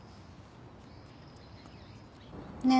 ねえ。